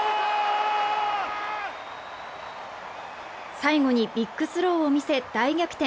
最後にビッグスローを見せ大逆転